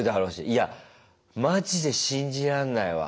いやマジで信じらんないわ。